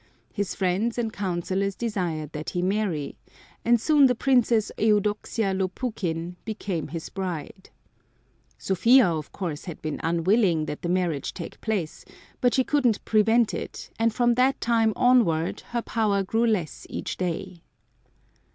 His friends and counselors desired that he marry, and soon the Princess Eudoxia Lopukhin became his bride. Sophia, of course, had been unwilling that the marriage take place, but she couldn't prevent it; and from that time onward her power grew less each day.